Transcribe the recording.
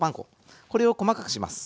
これを細かくします。